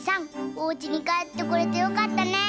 おうちにかえってこれてよかったね。